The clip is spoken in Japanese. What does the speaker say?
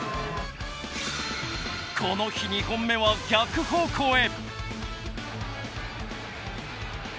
この日２本目は逆方向へ。